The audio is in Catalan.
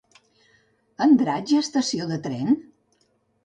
A Andratx hi ha estació de tren?